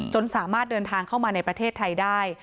สามารถเดินทางเข้ามาในประเทศไทยได้